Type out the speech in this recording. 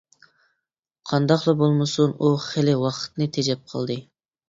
قانداقلا بولمىسۇن ئۇ خېلى ۋاقتىنى تېجەپ قالدى.